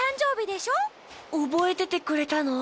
おぼえててくれたの？